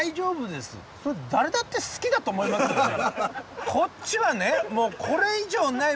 それ誰だって好きだと思いますよね？